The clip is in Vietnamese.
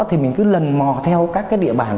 thì mình cứ lần mò theo các cái địa bản